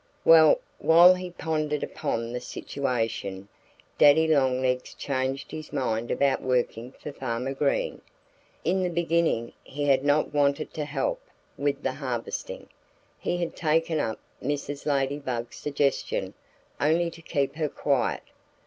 Well, while he pondered upon the situation Daddy Longlegs changed his mind about working for Farmer Green. In the beginning he had not wanted to help with the harvesting. He had taken up Mrs. Ladybug's suggestion only to keep her quiet.